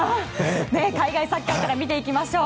海外サッカーから見ていきましょう。